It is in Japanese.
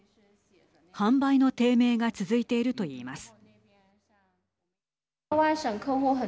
販売の低迷が続いていると言います。